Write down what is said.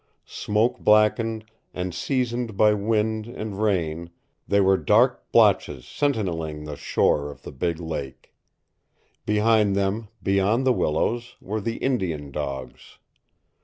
Smoke blackened and seasoned by wind and rain they were dark blotches sentineling the shore of the big lake. Behind them, beyond the willows, were the Indian dogs.